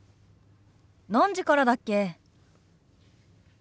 何時からだっけ？